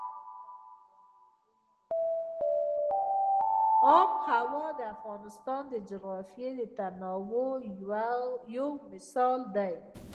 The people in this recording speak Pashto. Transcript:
آب وهوا د افغانستان د جغرافیوي تنوع یو مثال دی.